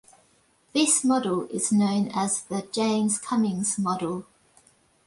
This model is known as the Jaynes-Cummings model.